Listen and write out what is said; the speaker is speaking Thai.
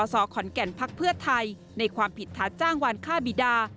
สขอนแก่นพักเพื่อไทยในความผิดฐานจ้างวานฆ่าบิดา